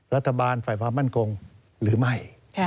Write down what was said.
รัฐบาลฝ่ายความมั่นคงหรือไม่